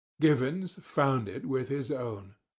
Givens found it with his own.